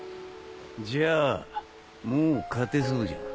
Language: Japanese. じゃあもう勝てそうじゃん。